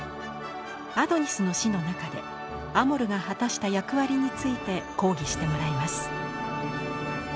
「アドニスの死」の中でアモルが果たした役割について講義してもらいます。